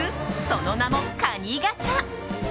その名も蟹ガチャ。